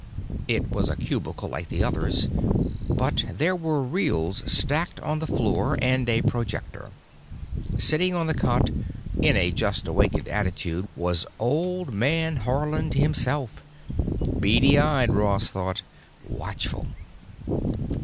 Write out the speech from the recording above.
It was a cubicle like the others, but there were reels stacked on the floor and a projector. Sitting on the cot in a just awakened attitude was old man Haarland himself. Beady eyed, Ross thought. Watchful.